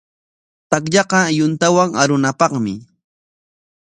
Takllaqa yuntawan arunapaqmi.